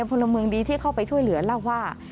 พลเมืองดีที่เข้าไปช่วยเหลือเล่าว่า